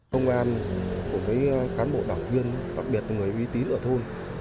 công an của các cán bộ đảng viên đặc biệt người uy tín ở thôn